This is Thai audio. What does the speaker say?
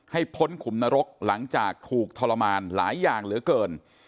พ้นขุมนรกหลังจากถูกทรมานหลายอย่างเหลือเกิน